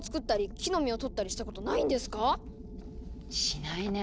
しないね。